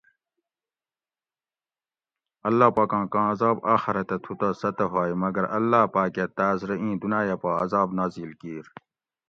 اللّٰہ پاکاں کاں عزاب آخرتہ تھو تہ سہ تہ ہوگ مگر اللّٰہ پاکہ تاس رہ ایں دنایہ پا عزاب نازل کیر